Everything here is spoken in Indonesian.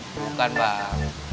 eh bukan bang